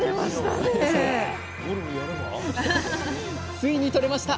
ついにとれました！